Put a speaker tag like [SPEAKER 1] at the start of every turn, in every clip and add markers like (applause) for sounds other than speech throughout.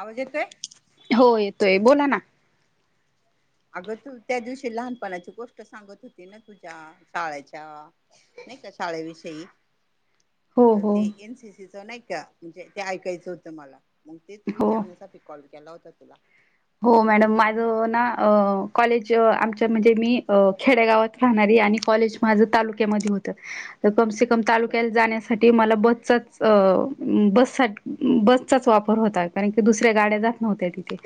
[SPEAKER 1] आवाज येतोय.
[SPEAKER 2] हो येतोय बोला ना
[SPEAKER 1] अगं तू त्या दिवशी लहानपणाची गोष्ट सांगत होती. ना तुझ्या शाळच्या... नाही का शाळेविषयी..
[SPEAKER 2] हो
[SPEAKER 1] तर ते
[SPEAKER 2] हो.
[SPEAKER 1] एनसीसीच नाही का म्हणजे ते ऐकायचं होतं मला मग तेच
[SPEAKER 2] हो.
[SPEAKER 1] विचारण्यासाठीे... कॉल केला होता तुला
[SPEAKER 2] हो मॅडम माझं ना कॉलेज आमच्या म्हणजे मी खेडेगावात राहणारी आणि कॉलेज... माझं तालुक्यामध्ये होत. कमसे कम
[SPEAKER 1] बर.
[SPEAKER 2] तालुक्यात जाण्यास..... साठी मला बसचाच बस बसचाच वापर होत... कारण की दुसऱ्या गाड्या जात नव्हत्या तिथे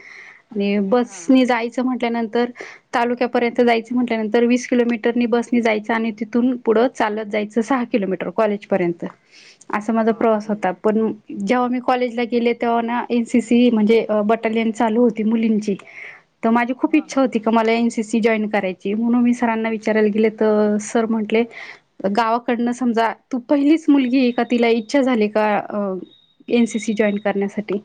[SPEAKER 2] आणि
[SPEAKER 1] हा हा
[SPEAKER 2] बसनी जायचं म्हटल्यानंतर... तालुक्यापर्यंत जायचं म्हटल्यानंतर वीस किलोमीटरनी बसनी जायचं आणि तिथून पुढं... चालत जायचं सहा किलोमीटर कॉलेजपर्यंत...
[SPEAKER 1] (unintelligible)
[SPEAKER 2] असा माझा प्रवास
[SPEAKER 1] बापरे
[SPEAKER 2] होता. पण... जेव्हा मी कॉलेजला गेले तेव्हा ना एन सी सी म्हणजे बटालियन चालू होत.... मुलींची माझ खूप
[SPEAKER 1] हा
[SPEAKER 2] इच्छा
[SPEAKER 1] हा.
[SPEAKER 2] होती... ज कराय म्हणून मी सरांना विचारायला गे तर सर म्हटले... गावाकडनं समजा तू... पहिलीच मुलगी ए का तिला इच्छा झाली. का एनसीसी जॉईन करण्यासाठी...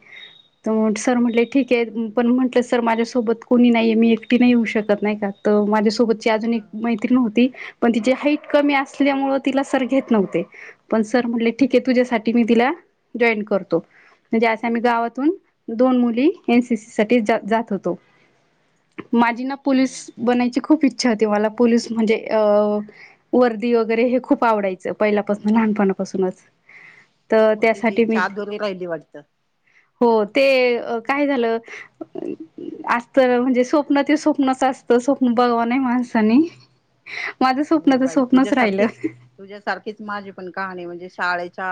[SPEAKER 2] तर सर म्हटले ठीक आहे.... पण म्हटलं सर माझ्यासोबत कोणी नाहीे मी एकटी नाही. येऊ शकत नाही का माझ्यासोबत.... अजून
[SPEAKER 1] हा
[SPEAKER 2] एक मैत्रीण होती पण तिची हाईट कमी असल्यामुळे तिला सर घेत नव्हते.... पण सर म्हणले ठीक आहे तुझ्यासाठी मी तिला जॉईन करतो..... म्हणजे असं आम्ही गावातून दोन मुली एनसीसी... सगळीच जात होतो माझी ना पोलीस बनायची खूप इच्छा..... अच्छा ते मला पोलीस म्हणजे अ... वर्दी वगैरे हे खूप आवडायचं पहिल्यापासून लहानपणापासूनच... तर
[SPEAKER 1] मग तुझी
[SPEAKER 2] त्यासाठी मी
[SPEAKER 1] हा अधुरी राहिली वाटतं?
[SPEAKER 2] हो ते काय झालं....
[SPEAKER 1] (unintelligible)
[SPEAKER 2] असत म्हणजे स्वप्न ते स्वप्नच असतं स्वप्न बघु नये माणसानी.... माझं
[SPEAKER 1] हो
[SPEAKER 2] स्वप्नच
[SPEAKER 1] बाई
[SPEAKER 2] स्वप्नच
[SPEAKER 1] तुझ्यासारखीच
[SPEAKER 2] राहिलं....
[SPEAKER 1] तुझ्यासारखीच माझी पण कहाणी म्हणजे शाळेच्या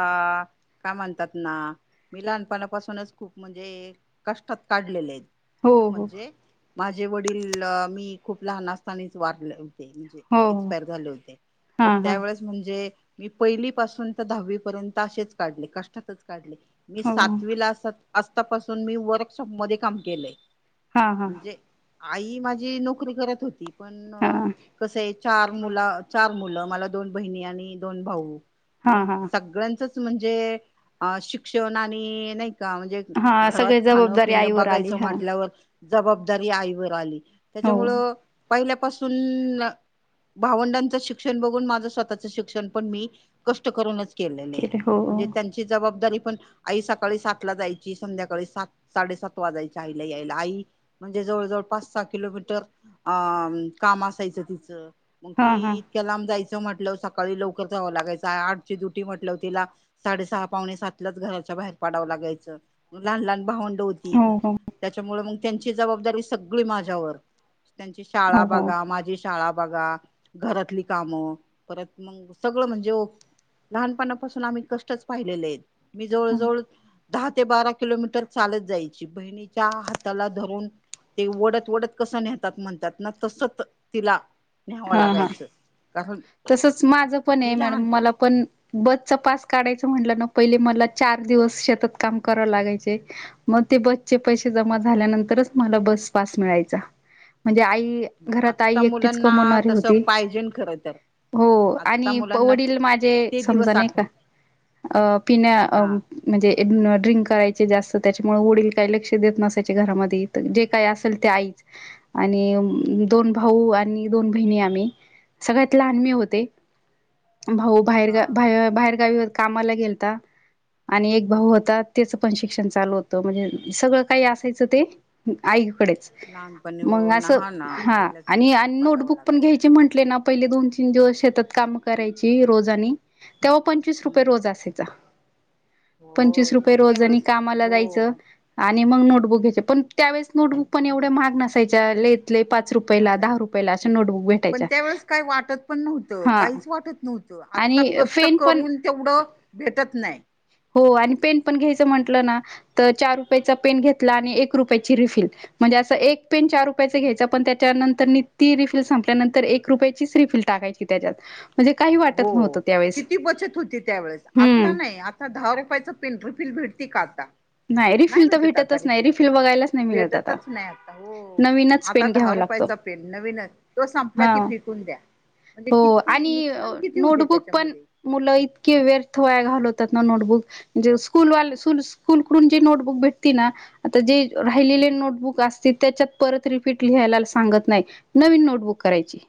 [SPEAKER 1] काय म्हणतात. ना... मी लहानपणापासूनच खूप म्हणजे कष्टात काढलेले आहेत...
[SPEAKER 2] हो
[SPEAKER 1] खूप
[SPEAKER 2] हो
[SPEAKER 1] म्हणजे माझे वडील मी खूप लहान असतानीच वारले होते. म्हणजे...
[SPEAKER 2] हो हो
[SPEAKER 1] एक्सपायर झाले होते. तर
[SPEAKER 2] हां हां
[SPEAKER 1] त्यावेळेस.... म्हणजे मी पहिली पासून तर दहावी पर्यंत असेच काढले कष्टातच काढले.... मी
[SPEAKER 2] हो
[SPEAKER 1] सातवीला असतापासून मी वर्कशॉप मध्ये काम केलंय
[SPEAKER 2] हां हां
[SPEAKER 1] म्हणजे... आई माझी नोकरी करत होती पण
[SPEAKER 2] हां
[SPEAKER 1] कस... चार मुला चार मुलं मला दोन बहिणी आणि दोन भाऊ
[SPEAKER 2] हां
[SPEAKER 1] मग
[SPEAKER 2] हां
[SPEAKER 1] सगळ्यांच... म्हणजे शिक्षण आणि नाही का म्हणजे...
[SPEAKER 2] हां
[SPEAKER 1] घरात
[SPEAKER 2] सगळी
[SPEAKER 1] खाणं
[SPEAKER 2] जबाबदारी
[SPEAKER 1] पिणं
[SPEAKER 2] आईवर आली
[SPEAKER 1] बघायचं
[SPEAKER 2] हा
[SPEAKER 1] म्हटल्यावर... जबाबदारी आईवर आली
[SPEAKER 2] हो
[SPEAKER 1] त्याच्यामुळं पहिल्यापासून... भावंडांचं शिक्षण बघून माझं स्वतःच शिक्षण पण मी कष्ट करूनच...
[SPEAKER 2] केले हो हो
[SPEAKER 1] म्हणजे त्यांची जबाबदारी पण आई सकाळी सातला जायची संध्याकाळी सात... साडेसात वाजायच्या आईला यायला आई म्हणजे जवळ जवळ पाच सहा किलोमीटर... अ काम असायचं तिचं मग
[SPEAKER 2] हां हां
[SPEAKER 1] ती.... त्याला जायचं म्हटलं सकाळी लवकर जावं लागायच आठची ड्युटी म्हटलं तिला... साडेसहा पावणे सातलाच घराच्या बाहेर पाडां लागायचं लहान लहान भावड...
[SPEAKER 2] हो हो
[SPEAKER 1] त्याच्यामुळे म त्यांची जबाबदारी सगळी माझ्यावर... त्यांची शाळा
[SPEAKER 2] हो हो
[SPEAKER 1] बघा माझी... शाळा बघा घरातली काम परत मग सगळं म्हणजे... लहानपणापासून आम्ही कष्टच पाहिलेले आहेत मी जवळ
[SPEAKER 2] हो
[SPEAKER 1] जवळ दहा ते बारा किलोमीटर चालत जायची बहिणीच्या हाताला धरून ते ओढत ओढत कसं नेहतात म्हणतात. ना तस तिला न्यावं
[SPEAKER 2] हा हा
[SPEAKER 1] लागायचं कारण
[SPEAKER 2] तसच माझ पण आहे.
[SPEAKER 1] ती
[SPEAKER 2] मॅडम
[SPEAKER 1] लहान
[SPEAKER 2] मला पण बचचा पास काढायचा म्हटलं ना पहिले मला चार दिवस शेतात काम कराव लागायचे. मग ते बसचे पैसे जमा झाल्यानंतरच मला बस पास मिळायचा म्हणजे आई घरात आई
[SPEAKER 1] आत्ता
[SPEAKER 2] एकटीच
[SPEAKER 1] मुलांना
[SPEAKER 2] कमवणारी
[SPEAKER 1] तस
[SPEAKER 2] होती
[SPEAKER 1] पाहिजे खरं तर
[SPEAKER 2] हो
[SPEAKER 1] आत्ता
[SPEAKER 2] आणि
[SPEAKER 1] मुलांना
[SPEAKER 2] वडील माझे
[SPEAKER 1] ते दिवस
[SPEAKER 2] समजाणे
[SPEAKER 1] आठव
[SPEAKER 2] का अ पिण्या
[SPEAKER 1] हा
[SPEAKER 2] म्हणजे ड्रिंक करायचे जास्त त्याच्यामुळे वडील काही लक्ष देत नसायचे घरामध्ये जे काय असेल ते आईच आणि दोन भाऊ दोन बहिणी आम्ही सगळ्यात लहान मी होते भाऊ
[SPEAKER 1] हा
[SPEAKER 2] बाहेरगा बाहे बाहेरगावी कामाला गेलता आणि एक भाऊ होतात त्याचं पण शिक्षण चालू होतं म्हणजे सगळं काही असायचं ते आईकडेच
[SPEAKER 1] लहानपणी हो
[SPEAKER 2] मग असं
[SPEAKER 1] नहा ना
[SPEAKER 2] हा
[SPEAKER 1] आईलाच खूप
[SPEAKER 2] आणि
[SPEAKER 1] बघावं
[SPEAKER 2] नोटबुक
[SPEAKER 1] लागत
[SPEAKER 2] पण घ्यायचे म्हटले ना पहिले दोन तीन दिवस शेतात काम करायची रोजानी तेव्हा पंचवीस रुपये
[SPEAKER 1] हम्म
[SPEAKER 2] रोज असायचा
[SPEAKER 1] हो
[SPEAKER 2] पंचवीस रुपये
[SPEAKER 1] नाही
[SPEAKER 2] रोजनी
[SPEAKER 1] त्यावेेळेस
[SPEAKER 2] कामाला
[SPEAKER 1] हो
[SPEAKER 2] जायचं आणि मग नोटबुक घ्यायचे पण त्यावेेळेस नोटबुक पण एवढ्या महाग नसायच्या लेतले पाच पाच रुपयाला दहा रुपयाला असं
[SPEAKER 1] नसायची
[SPEAKER 2] नोटबुक
[SPEAKER 1] पण
[SPEAKER 2] भेटायच्या
[SPEAKER 1] त्यावेेळेस काही वाटत पण नव्हतं
[SPEAKER 2] हा
[SPEAKER 1] काहीच वाटत नव्हतं आता
[SPEAKER 2] आणि
[SPEAKER 1] कष्ट
[SPEAKER 2] पेन पण
[SPEAKER 1] करून तेवढं भेटत नाही
[SPEAKER 2] हो आणि पेन पण घ्यायचं म्हंटलं ना तर चार रुपयाचा पेन घेतला आणि एक रुपयाची रिफील म्हणजे असं एक पेन चार रुपयाचं घ्यायचं पण त्या त्यानंतरी ती रिफील संपल्यानंतर एक रुपयाचीच रिफीलल टाकायची त्याच्यात म्हणजे काही
[SPEAKER 1] हो
[SPEAKER 2] वाटत नव्हतं त्यावेळेस
[SPEAKER 1] किती बचत होती त्यावेेळेस आता
[SPEAKER 2] हम्म
[SPEAKER 1] नाही आ ता दहा रुपयाच पिंट रुफिल भेटती का आता नाही
[SPEAKER 2] रिफिल तर
[SPEAKER 1] भेटत आज
[SPEAKER 2] भेटतच
[SPEAKER 1] रि
[SPEAKER 2] नाही
[SPEAKER 1] फील
[SPEAKER 2] रिफिल बघायलाच नाही मिळत आता
[SPEAKER 1] भेटतच नाही आता हो
[SPEAKER 2] नवीनच
[SPEAKER 1] आता
[SPEAKER 2] पेन
[SPEAKER 1] दहा
[SPEAKER 2] घ्यावा लागतो
[SPEAKER 1] रुपयाचा न तोला क
[SPEAKER 2] हा
[SPEAKER 1] फून द म्हण
[SPEAKER 2] हो
[SPEAKER 1] कि
[SPEAKER 2] आणि नोटबुक पण मुलं इतके व्यर्थ वया घालवतात ना नोटबुक म्हणजे स्कूलवाल कूलकडून जे नोटबुक भेटते ना आता जे राहिलेले नोटबुक असते त्याच्यात परत रिपीट लिहायला सांगत नाही नवीन नोटबुक करायची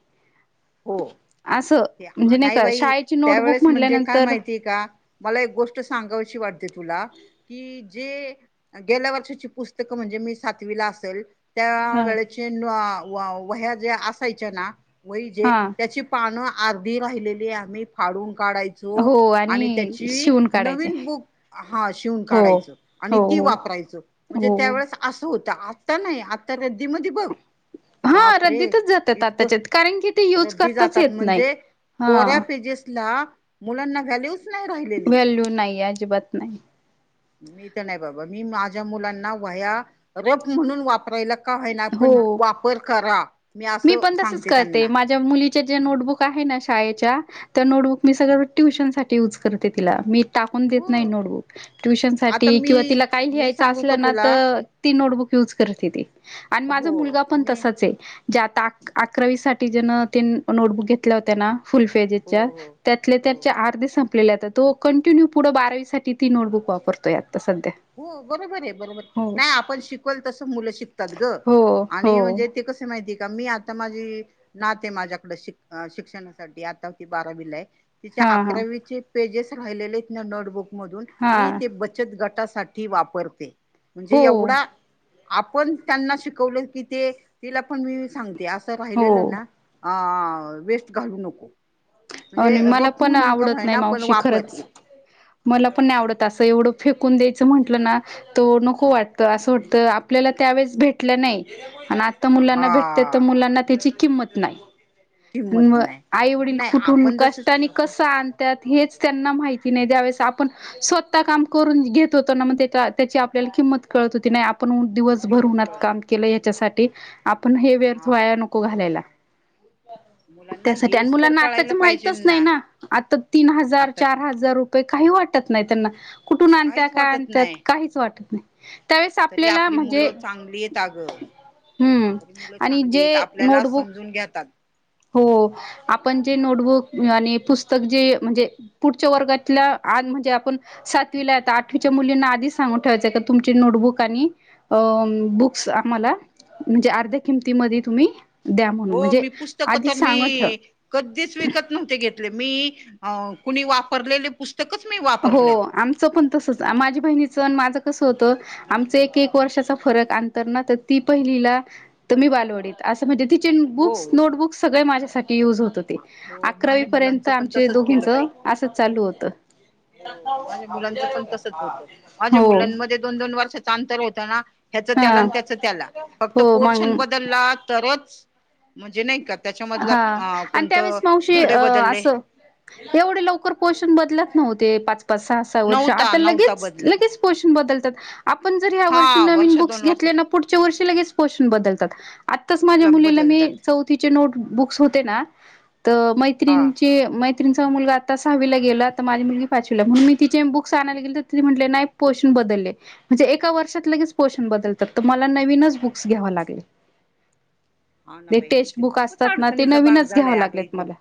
[SPEAKER 1] हो
[SPEAKER 2] असं
[SPEAKER 1] ते
[SPEAKER 2] म्हणजे
[SPEAKER 1] नाही
[SPEAKER 2] का
[SPEAKER 1] बाई
[SPEAKER 2] शाळेची नोटबुक
[SPEAKER 1] त्यावेेळेस म्हणजे काय
[SPEAKER 2] म्हटल्यानंतर
[SPEAKER 1] माहितीय का मला एक गोष्ट सहावेशी वाटते तुला कि जे. गेल्या वर्षाची पुस्तकं म्हणजे मी सातवीला असल. त्या
[SPEAKER 2] हा
[SPEAKER 1] वेळेचे व्हया जे असायच्या ना वही जे.
[SPEAKER 2] हा
[SPEAKER 1] त्याची पानं अर्धी राहिलेली आम्ही फाडून काढायचो. काढायचो.
[SPEAKER 2] हो
[SPEAKER 1] आणि त्याची
[SPEAKER 2] शिवून काढायचे
[SPEAKER 1] नवीन बुक हा शिवून
[SPEAKER 2] हो
[SPEAKER 1] काढायच आणि
[SPEAKER 2] हो
[SPEAKER 1] ती
[SPEAKER 2] हो
[SPEAKER 1] वापरायच. म्हणजे त्या
[SPEAKER 2] हो
[SPEAKER 1] वेळेस असं होतं आता नाही आता रद्दीमध्ये बघ.
[SPEAKER 2] हा
[SPEAKER 1] बाप रे
[SPEAKER 2] रद्दीतच जात्यात
[SPEAKER 1] इतकं
[SPEAKER 2] आताच्यात कारण की ते यूज
[SPEAKER 1] रद्दी
[SPEAKER 2] करताच
[SPEAKER 1] जातात.
[SPEAKER 2] येत नाही
[SPEAKER 1] म्हणजे
[SPEAKER 2] हा
[SPEAKER 1] कोऱ्या पेजेसला मुलांना व्हॅल्यू
[SPEAKER 2] व्हॅल्यू नाही अजिबात नाही
[SPEAKER 1] मी तर नाही बाबा मी माझ्या मुलांना व्हाया रप म्हणून वापरायला. का होय ना
[SPEAKER 2] हो
[SPEAKER 1] पण वापर करा मी असं
[SPEAKER 2] पण तसच
[SPEAKER 1] सांगते
[SPEAKER 2] करते
[SPEAKER 1] त्यांना.
[SPEAKER 2] माझ्या मुलीच्या ज्या नोटबुक आहे ना शाळेच्या. त्या नोटबुक मी सगळं ट्युशन साठी यूज करते. तिला मी टाकून देत नाही.
[SPEAKER 1] हो
[SPEAKER 2] नोटबुक ट्युशन
[SPEAKER 1] आता
[SPEAKER 2] साठी किंवा
[SPEAKER 1] मी
[SPEAKER 2] तिला काही
[SPEAKER 1] मी
[SPEAKER 2] लिहायचं
[SPEAKER 1] सांगू
[SPEAKER 2] असलं.
[SPEAKER 1] का
[SPEAKER 2] ना त
[SPEAKER 1] तुला
[SPEAKER 2] ती नोटबुक युज करते ती. आणि माझा
[SPEAKER 1] हो
[SPEAKER 2] मुलगा पण
[SPEAKER 1] मी
[SPEAKER 2] तसाच आहे. ज्या आता अकरावी साठी जन ते नोटबुक घेतले होते. ना
[SPEAKER 1] हो
[SPEAKER 2] फुलफेजेच्या
[SPEAKER 1] हो
[SPEAKER 2] त्यातले
[SPEAKER 1] हो.
[SPEAKER 2] त्यांचे अर्ध सं आपला आ तो कंटिन्यू पुढं बारावी साठी ती नोटबुक वापरतोय आता सध्या
[SPEAKER 1] हो बरोबर आहे बरोबर
[SPEAKER 2] हो
[SPEAKER 1] नाही आपण शिकवल तस मुलं शिक ग
[SPEAKER 2] हो हो
[SPEAKER 1] आणि म्हणजे ते कस माहिती का मी आता माझी नाते आहे माझ्याकडे शिक शिक्षणासाठी आता ती बारावीला आहे तिच्या
[SPEAKER 2] हा हा
[SPEAKER 1] अकरावीचे पेजेस राहिलेले आहेत ना नोटबुक मधून
[SPEAKER 2] हा
[SPEAKER 1] मी ते बचत गट वापरते म्हणजे
[SPEAKER 2] हो
[SPEAKER 1] एवढा आपण त्यांना शिकवलत की ते तिला पण मी सांगते असं
[SPEAKER 2] हो
[SPEAKER 1] राहिलेलं ना. अ. वेस्ट घालवू नको. म्हणजे
[SPEAKER 2] आणि मला
[SPEAKER 1] रफ
[SPEAKER 2] पण
[SPEAKER 1] म्हणून का
[SPEAKER 2] आवडत नाही.
[SPEAKER 1] होईना पण
[SPEAKER 2] मावशी
[SPEAKER 1] वापर
[SPEAKER 2] खरंच मला पण नाही आवडत असं एवढं फेकून द्यायचं म्हटलं ना तो नको वाटत असं वाटत आपल्याला त्यावेेळेस भेटलं नाही आन आता. आता
[SPEAKER 1] हा
[SPEAKER 2] मुलांना भेटत्यात तर मुलांना त्याची किंमत नाही.
[SPEAKER 1] किंमत
[SPEAKER 2] मग
[SPEAKER 1] नाही नाही आपण जस. (inaudible)
[SPEAKER 2] का आणत्यात हेच त्यांना माहिती नाही. ज्यावेळेस आपण स्वतः काम करून घेत होतो ना मग तीत त्याची आपल्याला किंमत कळत होती नाही आपण दिवसभर भर
[SPEAKER 1] किंमत
[SPEAKER 2] उन्हात
[SPEAKER 1] कळत
[SPEAKER 2] काम
[SPEAKER 1] होती.
[SPEAKER 2] केलय याच्यासाठी आपण हे
[SPEAKER 1] हा
[SPEAKER 2] व्यर्थ व्हाया नको घालायला.
[SPEAKER 1] मुलांना हेच तर कळत
[SPEAKER 2] आताचे माहितच नाही ना आता तीन हजार चार
[SPEAKER 1] आताच्या
[SPEAKER 2] हजार रुपये काही वाटत नाही त्यांना. कुठून आणत्या
[SPEAKER 1] काहीच
[SPEAKER 2] काय
[SPEAKER 1] वाटत
[SPEAKER 2] आणत्यात
[SPEAKER 1] नाही
[SPEAKER 2] काहीच वाटत नाही. त्यावेळेस
[SPEAKER 1] तरी
[SPEAKER 2] आपल्याला
[SPEAKER 1] आपली
[SPEAKER 2] म्हजे.
[SPEAKER 1] मुलं चांगली आहेत अगं
[SPEAKER 2] हम.
[SPEAKER 1] तरी मुलं
[SPEAKER 2] आणि
[SPEAKER 1] चांगली
[SPEAKER 2] जे
[SPEAKER 1] आहेत आपल्याला
[SPEAKER 2] नोटबुक.
[SPEAKER 1] समजून घेतात.
[SPEAKER 2] हो आपण जे नोटबुक आणि पुस्तक जे म्हणजे पुढच्या वर्गातल्या आज म्हणजे आपण सातवी ला आता आठवीच्या मुलींना आधी सांगून ठेवायचंय का तुमची नोटबुक आणि अ बुक्स आम्हाला म्हणजे अर्ध्या किमतीमध्ये तुम्ही द्या म्हणून
[SPEAKER 1] हो
[SPEAKER 2] म्हणजे.
[SPEAKER 1] मी पुस्तक
[SPEAKER 2] आधी
[SPEAKER 1] तर मी
[SPEAKER 2] सांगून ठेवा
[SPEAKER 1] कधीच विकत नव्हते घेतले. मी अ कुणी वापरलेले पुस्तक
[SPEAKER 2] हो आमचं पण तसच माझ्या बहिणीचं अन माझं कसं होतं. आमच एक एक वर्षाचा फरक अंतर ना तर ती पहिलीला त मी बालवडीला. असं म्हणजे तिचे
[SPEAKER 1] हो
[SPEAKER 2] बुक्स नोटबुक्स सगळे माझ्यासाठी युज होत होती. होती.
[SPEAKER 1] हो
[SPEAKER 2] अकरावी
[SPEAKER 1] माझ्या
[SPEAKER 2] पर्यंत
[SPEAKER 1] मुलांचं पण
[SPEAKER 2] आमचे
[SPEAKER 1] तसच केलं
[SPEAKER 2] दोघींच
[SPEAKER 1] बाई
[SPEAKER 2] असं चालू होत.
[SPEAKER 1] हो माझ्या मुलांचं पण तसच होत. माझ्या
[SPEAKER 2] हो.
[SPEAKER 1] मुलांमध्ये दोन दोन वर्षाचा अंतर होत ना ह्याच त्याला
[SPEAKER 2] हा
[SPEAKER 1] अन त्याच त्याला फक्त
[SPEAKER 2] हो मग
[SPEAKER 1] पोर्शन बदलला. तरच. म्हणजे नाही का त्याच्या मधला.
[SPEAKER 2] हा आणि त्यावेेळेस मावशी अ असं एवढे लवकर पोर्शन बदलत नव्हते. पाच पाच साह साह वर्ष
[SPEAKER 1] नव्हता
[SPEAKER 2] आता
[SPEAKER 1] नव्हता
[SPEAKER 2] लगेच
[SPEAKER 1] बदलत हा
[SPEAKER 2] लगेच पोषण बदलतात आपण जर ह्या वर्षी
[SPEAKER 1] हा
[SPEAKER 2] नवीन
[SPEAKER 1] वर्ष
[SPEAKER 2] बुक्स
[SPEAKER 1] दोन वर्ष
[SPEAKER 2] घेतले ना पुढच्या वर्षी लगेच पोशन बदलतात आत्ताच माझ्या
[SPEAKER 1] ल
[SPEAKER 2] मुलीला मी
[SPEAKER 1] बदलतात
[SPEAKER 2] चौथीचे नोट बुक्स होते ना तर
[SPEAKER 1] हा
[SPEAKER 2] मैत्रीन चे तनचा मुलगा आता सहावीला गेला तर माझी मुलगी पाचवीला म्हणून मी तिचे बुक्स आणायला गेल तर ति म्हटले नाइ पोषण बदलले म्हणजे एका वर्षात लगेच पोषण बदलतात तर मला नवीनच बुक्स घ्यावा लागले.
[SPEAKER 1] हा ना
[SPEAKER 2] ते
[SPEAKER 1] बाई
[SPEAKER 2] टेक्स्ट
[SPEAKER 1] इथ
[SPEAKER 2] बुक
[SPEAKER 1] खूपच
[SPEAKER 2] असतात ते
[SPEAKER 1] अडचणीचा भाग
[SPEAKER 2] नवीनच घ्याव
[SPEAKER 1] झालाय अगं
[SPEAKER 2] लागलेत
[SPEAKER 1] इथून
[SPEAKER 2] मला,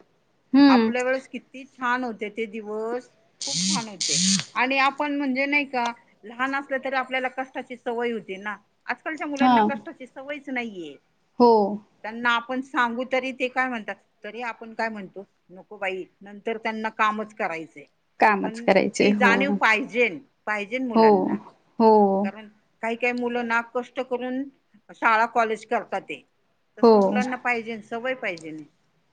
[SPEAKER 2] ह्
[SPEAKER 1] आपल्या किती छान होते ते दिवस खूप छान होते आणि आप आपण म्हणजे नाही का लहान असल तरी आपल्याला कष्टाची सवय होती ना. आजकालच्या मुलांना
[SPEAKER 2] हा
[SPEAKER 1] कष्टाची सवयच नाइये
[SPEAKER 2] (inaudible)
[SPEAKER 1] त्यांना आपण सांगू तरी ते काय म्हणतात तरी आपण काय म्हणतो. नको बाई नंतर त्यांना कामच करायचंय.
[SPEAKER 2] कामच
[SPEAKER 1] पण
[SPEAKER 2] करायचे
[SPEAKER 1] ती
[SPEAKER 2] हो
[SPEAKER 1] जाणीव पाहिजेल पाहिजेल
[SPEAKER 2] हो
[SPEAKER 1] मुलांना.
[SPEAKER 2] हो
[SPEAKER 1] कारण काही काही मुल ना कष्ट करून शाळा कॉलेज करतात ते तस
[SPEAKER 2] हो
[SPEAKER 1] मुलांना पाहिजेन सवय पाहिजेन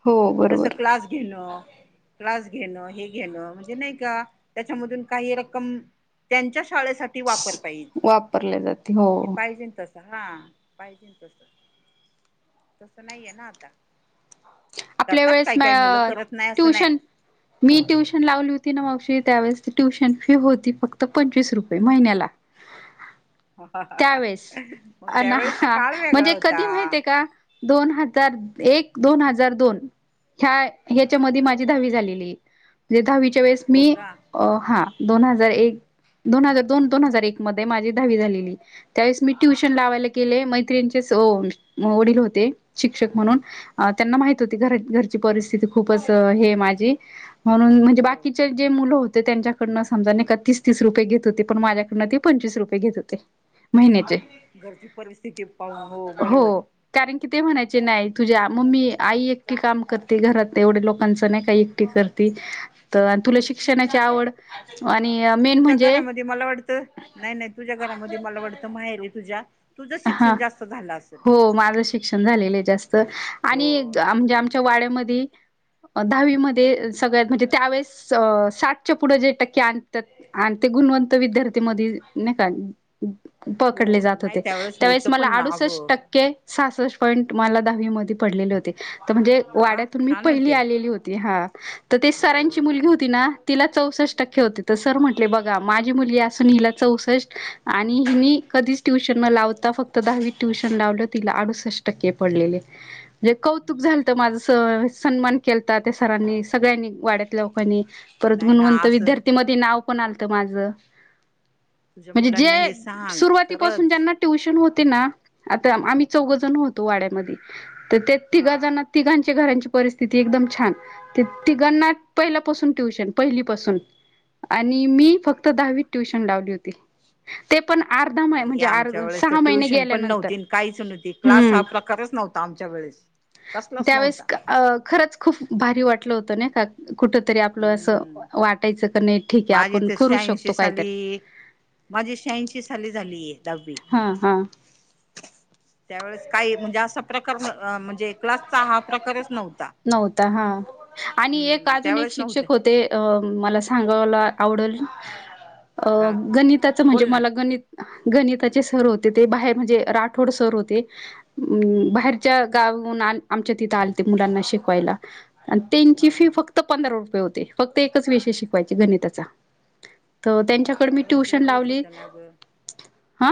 [SPEAKER 2] हो
[SPEAKER 1] जस
[SPEAKER 2] बरोबर
[SPEAKER 1] क्लास घेण क्लास घेण हे घेण म्हणजे नाई का त्याच्यामधून काही रक्कम त्यांच्या शाळेसाठी ती वापर
[SPEAKER 2] वापरले जाते, हो
[SPEAKER 1] पाहिजेन तस हा पाहिजेन तस तस नाहीय ना आता,
[SPEAKER 2] आपल्या
[SPEAKER 1] करतात
[SPEAKER 2] वेळेस
[SPEAKER 1] काही काय मुल करत नायी अस नायी.
[SPEAKER 2] ट्युशन मी ट्युशन लावली होती ना मावशी त्यावेळेस त ट्युशन फी होती फक्त पंचवीस रुपये महिन्याला.
[SPEAKER 1] (inaudible)
[SPEAKER 2] त्यावेेळेस
[SPEAKER 1] मग
[SPEAKER 2] अ
[SPEAKER 1] त्यावेळेचा
[SPEAKER 2] ह
[SPEAKER 1] काळ वेगळा
[SPEAKER 2] म्हणजे
[SPEAKER 1] होता
[SPEAKER 2] कधी माहिते का? दोन हजार, एक दोन हजा दोन ह हच्या मदि
[SPEAKER 1] हो
[SPEAKER 2] माझी दहावी झालेली ये म्हणजे दहावीच्या वेळेस
[SPEAKER 1] हो
[SPEAKER 2] मी
[SPEAKER 1] का
[SPEAKER 2] अ हा दोन हजार एक दोन हजार दोन दोन हजार एक मध्ये माझी दहावी झालेलीये त्यावेळेस मी ट्युशन लावायला गले मैत्रिणीचेच वडील होते शिक्षक म्हणून अ त्यांना माहित होती घरची परिस्थिती खूपच हे माझी म्हणून म्हणजे
[SPEAKER 1] हो
[SPEAKER 2] बाकीचे जे मुल होते त्यांच्या डनं समजा न का तीस तीस रुपये घेत होते पण माझ्याकडनं ते पंचवीस रुपये घेत होते महिन्याचे.
[SPEAKER 1] घरची परिस्थिती पाहून हो बरोबर ये
[SPEAKER 2] कारण कि ते म्हणायचे नाही तुझ्या मम्मी आई एकटी काम करते घरात एवढ्या लोकांच नाही का एकटी करते तर तुला
[SPEAKER 1] हो
[SPEAKER 2] शिक्षणा चावळ आणि मेन
[SPEAKER 1] तुझ्या
[SPEAKER 2] म्हणजे
[SPEAKER 1] घरामध्ये मला वाटत नायी नाइ तुझ्या घरामध्ये मला वाटत माहेर आहे तुझ्या तुझं
[SPEAKER 2] हा
[SPEAKER 1] शिक्षण जास्त झा
[SPEAKER 2] हो माझ शिक्षण झालेल ये जास्त आणि
[SPEAKER 1] हो तेच
[SPEAKER 2] म्हणजे
[SPEAKER 1] ना
[SPEAKER 2] आमच्या वाड्यामधी दहावीमध्येध सगळ्यात म्हणजे त्यावेेळेस साठच्या पुढे जे टक्के आणत्यात आणि ते गुणवंत विद्यार्थी मधे नइ का पकडले
[SPEAKER 1] हो
[SPEAKER 2] जात
[SPEAKER 1] नाही
[SPEAKER 2] होते.
[SPEAKER 1] त्यावेेळेस
[SPEAKER 2] त्यावेळेस
[SPEAKER 1] होतं
[SPEAKER 2] मला
[SPEAKER 1] पण ना
[SPEAKER 2] अडुसष्ट
[SPEAKER 1] अगं
[SPEAKER 2] टक्के सासष्ट पॉईंट मला दहावी मध्ये पडलेले होते. तर म्हणजे
[SPEAKER 1] वा
[SPEAKER 2] वाड्यातून मी
[SPEAKER 1] छान
[SPEAKER 2] पहिली
[SPEAKER 1] होते.
[SPEAKER 2] आलेली होती हा तर ते सरांची
[SPEAKER 1] हम्म.
[SPEAKER 2] मुलगी होती ना तिला चौसष्ट टक्के होते तर सर म्हटले बघा माझी मुली असून हिला चौस आणि मी कधीच ट्युशन न लावत फक्त दहावी ट्युशन लावली तिला अडुसष्ट टक्के पडलेलेत, लई कौतुक झालत माझ स सन्मान केलता त्या सरांनी सगळ्यांनी वाड्यातल्या लोकांनी परत
[SPEAKER 1] नाही ना
[SPEAKER 2] गुणवंत
[SPEAKER 1] असं
[SPEAKER 2] विद्यार्थीमध्ये ते नाव पण आत माझं
[SPEAKER 1] तुझ्या
[SPEAKER 2] म्हणजे
[SPEAKER 1] मुलांना
[SPEAKER 2] जे
[SPEAKER 1] हे सांग
[SPEAKER 2] सुरुवातीपासून
[SPEAKER 1] खरच
[SPEAKER 2] ज्यांना ट्युशन होते ना आता आम्ही चौघ जण होतो वाड्यामध्ये तर त्या तिघ
[SPEAKER 1] हा.
[SPEAKER 2] जण तिघांच्या घरांची परिस्थिती एकदम छान ते तिघांना पहिल्यापासून ट्यूशन पहिलीपासून आणि मी फक्त दहावीत ट्युशन लावली होती ते पण अर्धा मा आहे
[SPEAKER 1] बाई
[SPEAKER 2] म्हणजे
[SPEAKER 1] आमच्या
[SPEAKER 2] अर्धा
[SPEAKER 1] ट्युशन पण नव्हती काहीच नव्हती क्ला
[SPEAKER 2] हम्म
[SPEAKER 1] हा प्रकारच नव्हता आमच्या वेळेस कसलाच
[SPEAKER 2] त्यावेळेस
[SPEAKER 1] नव्हता
[SPEAKER 2] खरंच खूप भारी वाटलं होतं नाही का कुठ तरी आपलं असं
[SPEAKER 1] हम्म
[SPEAKER 2] वाटायचं क नाही ठीक आहे
[SPEAKER 1] माझी
[SPEAKER 2] आपण
[SPEAKER 1] तर
[SPEAKER 2] करू
[SPEAKER 1] शहाऐंशी
[SPEAKER 2] शकतो काहीतरी
[SPEAKER 1] साली माझी शहाऐंशी साली झालीय दहावी
[SPEAKER 2] हा हा
[SPEAKER 1] त्यावेळेस काही म्हणजे असा प्रकार म्हणजे क्लासचा हा प्रकारच नव्हता
[SPEAKER 2] नव्हता हा आणि एक
[SPEAKER 1] हम्म
[SPEAKER 2] अजून एक
[SPEAKER 1] त्यावेळेच नव्हते
[SPEAKER 2] शिक्षक होते अ मला सांगायला आवडेल अ
[SPEAKER 1] हा
[SPEAKER 2] गणिताचं म्हणजे
[SPEAKER 1] बोल ना
[SPEAKER 2] मला गणित गणिताचे सर होते ते बाहेर म्हणजे राठोड सर होते अम्म
[SPEAKER 1] हा
[SPEAKER 2] हरच्या गावून आमच्या तिथ आलती मुलांना शिकवायला आणि त्यांची
[SPEAKER 1] हा
[SPEAKER 2] फी
[SPEAKER 1] हा.
[SPEAKER 2] फक्त पंधरा रुपये होते फक्त एकच विषय शिकवायचे गणिताचा त त्यांच्या
[SPEAKER 1] त्यावेेळेस वेगळच होत्या नाग
[SPEAKER 2] हा?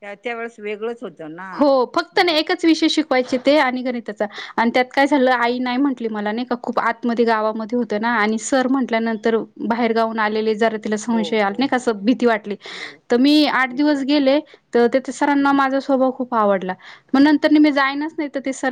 [SPEAKER 1] त्या त्या वेळेस वेगळंच होतं ना
[SPEAKER 2] हो फक्त ना
[SPEAKER 1] म्हणजे
[SPEAKER 2] एकच विषय शिकवायचे ते आणि गणिताचा आणि त्यात काय झालं आई नाही म्हटली मला नाही खूप आतमध्ये गावामध्ये होत ना आणि सर म्हटल्यानंतर बाहेर गाऊन आलेले जरा त
[SPEAKER 1] हो
[SPEAKER 2] संशय आ
[SPEAKER 1] हो
[SPEAKER 2] नाही
[SPEAKER 1] हो
[SPEAKER 2] कस भीती वाटली
[SPEAKER 1] हो
[SPEAKER 2] तर मी आठ
[SPEAKER 1] भीती
[SPEAKER 2] दिवस
[SPEAKER 1] वाटते
[SPEAKER 2] गेले तर सरांना माझा स्वभव खूप आवडला मग नंतर मी जायनच नाही तरस